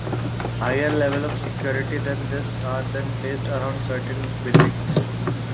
Higher levels of security than this are then placed around certain buildings.